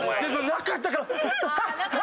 なかったから。